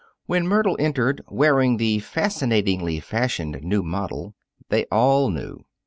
When Myrtle entered, wearing the fascinatingly fashioned new model, they all knew.